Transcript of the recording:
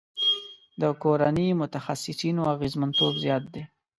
د کورني متخصصینو اغیزمنتوب زیات دی.